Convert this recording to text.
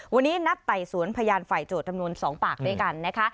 วันนี้นัดไต่สวนพยานฝ่ายโจทย์จำนวน๒ปากด้วยกันนะคะ